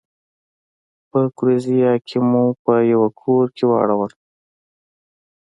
په ګوریزیا کې مو په یوه کور کې واړول.